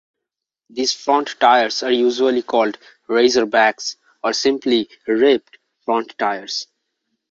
These front tires are usually called "razorbacks" or simply "ribbed" front tires.